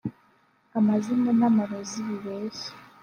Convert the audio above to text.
amazimu n’amarozi bibeshya